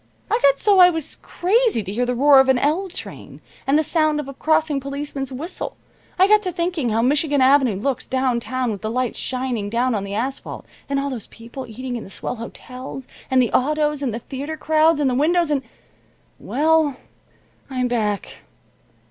I got so I was crazy to hear the roar of an L train, and the sound of a crossing policeman's whistle. I got to thinking how Michigan Avenue looks, downtown, with the lights shining down on the asphalt, and all those people eating in the swell hotels, and the autos, and the theater crowds and the windows, and well, I'm back.